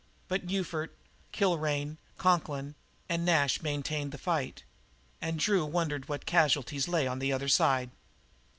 But Ufert, Kilrain, Conklin, and Nash maintained the fight; and Drew wondered what casualties lay on the other side.